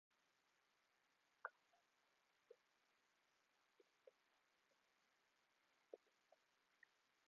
کابل د افغانستان د ځایي اقتصادونو لپاره یو مهم بنسټ دی.